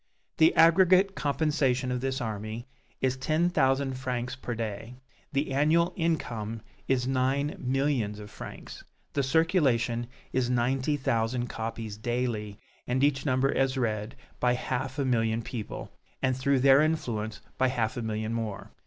The aggregate compensation of this army is ten thousand francs per day, the annual income is nine millions of francs, the circulation is ninety thousand copies daily, and each number is read by half a million people, and through their influence by half a million more.